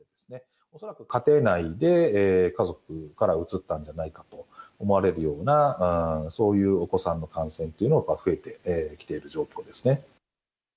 恐らく家庭内で家族からうつったんじゃないかと思われるような、そういうお子さんの感染が増えてきている状況ですね。